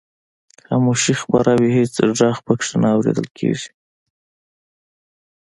خاموشي خپره وي هېڅ غږ پکې نه اورېدل کیږي.